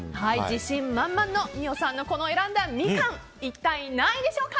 自信満々の美桜さんの選んだみかんは一体、何位でしょうか。